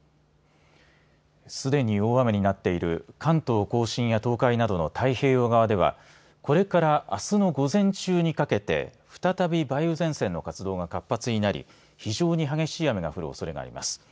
すでに大雨になっている関東甲信や東海などの太平洋側ではこれからあすの午前中にかけて再び梅雨前線の活動が活発になり非常に激しい雨が降るおそれがあります。